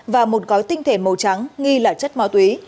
và một gói tinh thể màu trắng nghi là chất ma túy